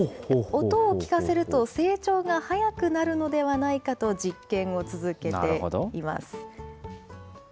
音を聴かせると成長が早くなるのではないかと実験を続けています。